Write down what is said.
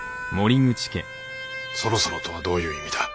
そろそろとはどういう意味だ？